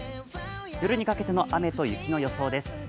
夜にかけての雨と雪の予想です。